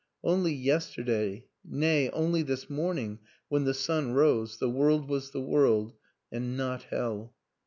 Only yesterday nay, only this morning when the sun rose the world was the world and not hell.